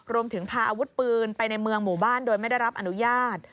พาอาวุธปืนไปในเมืองหมู่บ้านโดยไม่ได้รับอนุญาต